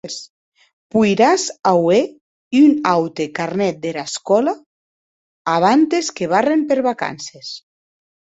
Poiràs auer un aute carnet dera escòla abantes que barren per vacances.